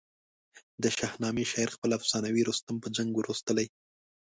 د شاهنامې شاعر خپل افسانوي رستم په جنګ وروستلی.